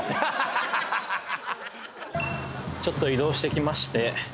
ちょっと移動してきまして